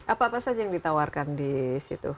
apa apa saja yang ditawarkan di situ